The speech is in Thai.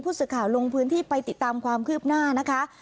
สื่อข่าวลงพื้นที่ไปติดตามความคืบหน้านะคะ